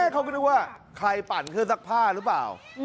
เขาก็นึกว่าใครปั่นเครื่องซักผ้าหรือเปล่า